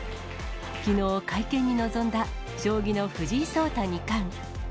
きのう、会見に臨んだ将棋の藤井聡太二冠。